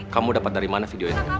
kamu dapat dari mana video itu